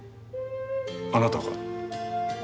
あなたが？